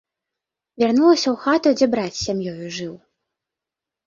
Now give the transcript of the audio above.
Вярнулася ў хату, дзе брат з сям'ёю жыў.